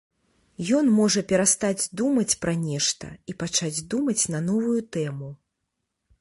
Ён можа перастаць думаць пра нешта і пачаць думаць на новую тэму.